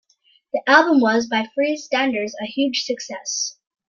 The album was, by Free's standards, a huge success.